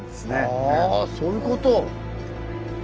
ああそういうこと！